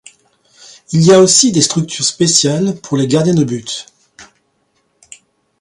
Il y a aussi des structures spéciales pour les gardiens de but.